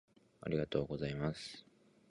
ありがとうございますつ